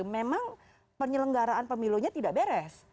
memang penyelenggaraan pemilunya tidak beres